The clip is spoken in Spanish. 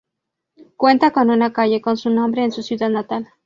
Cuenta con una calle con su nombre en su ciudad natal.